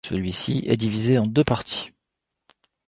Celui-ci est divisé en deux parties.